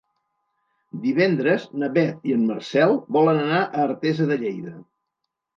Divendres na Beth i en Marcel volen anar a Artesa de Lleida.